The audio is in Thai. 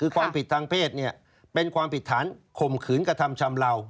ความผิดทางเพศเป็นความผิดฐานขหมเขืนกฎธรรมชำลาว